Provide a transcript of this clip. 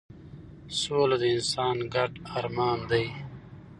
سوله د انسان ګډ ارمان دی